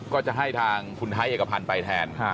ก็จะให้ทางคุณไทยเอกพันธ์ไปแทน